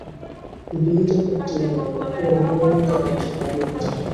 বিয়ে তো করতেই হবে, রমেনের মতো পাত্র পাবে কোথায়।